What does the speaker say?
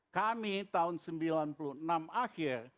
kami tahun sembilan puluh enam akhir